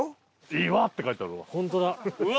「岩」って書いてあるわ。